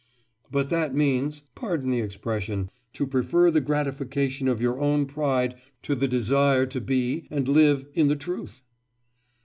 'But that means pardon the expression to prefer the gratification of your own pride to the desire to be and live in the truth.